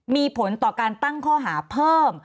มีผลต่อการตั้งข้อหาเพิ่ม